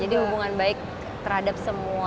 jadi hubungan baik terhadap semua